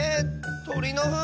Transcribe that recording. とりのふん？